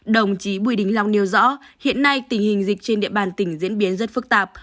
đồng chí bùi đình long nêu rõ hiện nay tình hình dịch trên địa bàn tỉnh diễn biến rất phức tạp